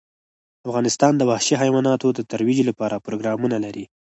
افغانستان د وحشي حیواناتو د ترویج لپاره پروګرامونه لري.